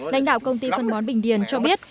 lãnh đạo công ty phân bón bình điền cho biết